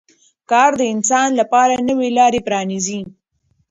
کار د انسان لپاره نوې لارې پرانیزي